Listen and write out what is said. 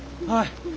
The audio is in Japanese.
はい。